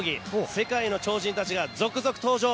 世界の超人たちが続々、登場。